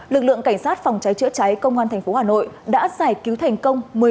lực lượng cảnh sát phòng cháy chữa cháy công an thành phố hà nội đã giải cứu thành công